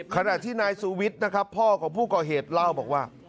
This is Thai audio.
ขณะที่นายสุวิทย์นะครับพ่อของผู้ก่อเหตุเล่าบอกว่า